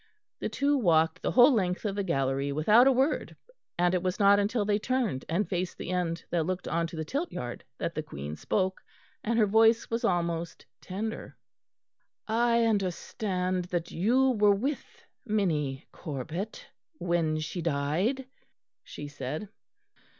The two walked the whole length of the gallery without a word, and it was not until they turned and faced the end that looked on to the Tilt yard that the Queen spoke; and her voice was almost tender. "I understand that you were with Minnie Corbet when she died," she said.